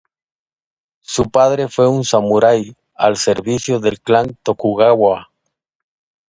Su padre fue un samurái al servicio del clan Tokugawa.